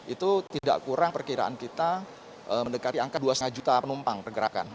itu tidak kurang perkiraan kita mendekati angka dua lima juta penumpang pergerakan